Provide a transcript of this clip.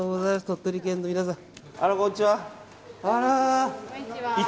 鳥取県の皆さん。